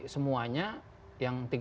semuanya yang tiga puluh empat